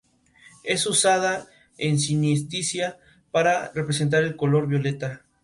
Es usada en sinestesia para representar el color violeta.